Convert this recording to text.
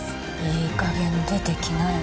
いいかげん出てきなよ